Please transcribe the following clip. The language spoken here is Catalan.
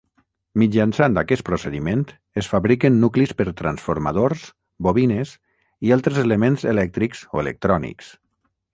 Mitjançant aquest procediment es fabriquen nuclis per transformadors, bobines i altres elements elèctrics o electrònics.